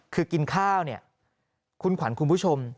คือกินข้าวเนี่ยคุณขวัญคุณผู้ชม